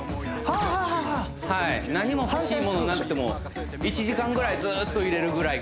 はい何も欲しいものなくても１時間ぐらいずっといれるぐらい